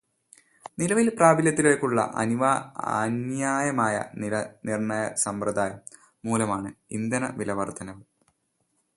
നിലവിൽ പ്രാബല്യത്തിലുള്ള അന്യായമായ വിലനിർണയസമ്പ്രദായം മൂലമാണ് ഇന്ധനവിലവർദ്ധനവ്.